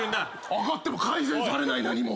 上がっても改善されない何も。